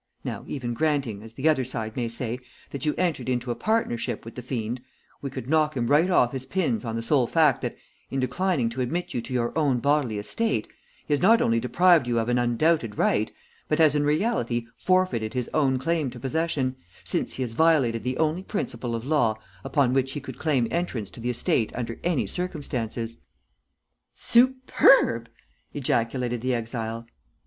Now, even granting, as the other side may say, that you entered into a partnership with the fiend, we could knock him right off his pins on the sole fact that in declining to admit you to your own bodily estate, he has not only deprived you of an undoubted right, but has in reality forfeited his own claim to possession, since he has violated the only principle of law upon which he could claim entrance to the estate under any circumstances." "Superb!" ejaculated the exile.